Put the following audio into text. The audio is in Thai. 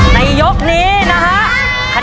ในยกนี้นะฮะ